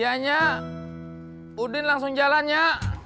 ya udin langsung jalan ya